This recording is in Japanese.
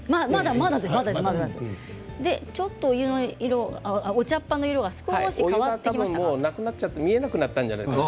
ちょっとお茶葉の色が少し変わってきましたか。